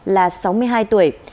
là sáu mươi hai tuổi